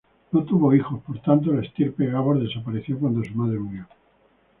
No tuvo hijos, por tanto, la estirpe Gabor desapareció cuando su madre murió.